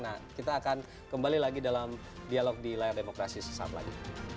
nah kita akan kembali lagi dalam dialog di layar demokrasi sesaat lagi